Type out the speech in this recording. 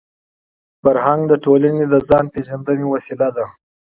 فرهنګ د ټولني د ځان پېژندني وسیله ده.